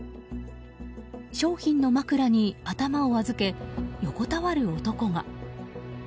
商品の枕に頭を預け横たわる男が。